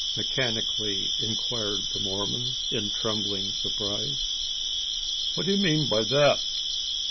mechanically inquired the Mormon, in trembling surprise. "What do you mean by that?"